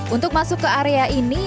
untuk masuk ke area ini